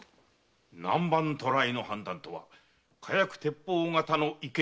南蛮渡来の判断とは火薬鉄砲方の意見を聞いた上か？